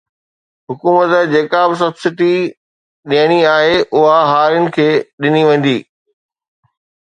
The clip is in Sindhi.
حڪومت جيڪا به سبسڊي ڏيڻي آهي اها هارين کي ڏني ويندي